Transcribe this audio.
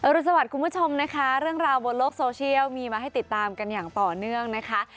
รุนสวัสดิ์คุณผู้ชมนะคะเรื่องราวบนโลกโซเชียลมีมาให้ติดตามกันอย่างต่อเนื่องนะคะ